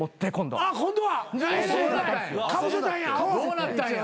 どうなったんや？